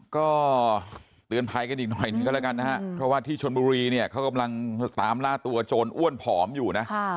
ก็เตือนภัยกันอีกหน่อยหนึ่งก็แล้วกันนะครับเพราะว่าที่ชนบุรีเนี่ยเขากำลังตามล่าตัวโจรอ้วนผอมอยู่นะ